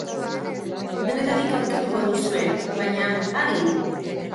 Denetarik aurkituko duzue, baina, adi!